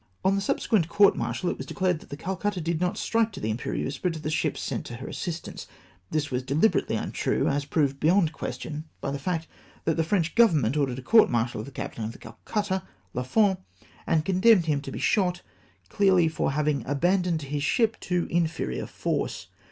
On the subsequent court martial, it was declared that the Calcutta did not strike to the Imjjerieuse., but to the ships sent to her assistance. This was dehberately untrue ; as proved beyond question by the fact that the French government ordered a court martial on the captain of the Calcutta., Lafon, and condemned him to be shot, clearly for having aban doned his ship to inferior force.